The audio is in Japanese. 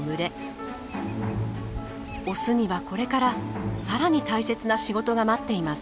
オスにはこれからさらに大切な仕事が待っています。